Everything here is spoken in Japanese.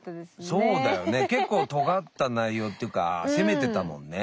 そうだよね結構とがった内容っていうか攻めてたもんね。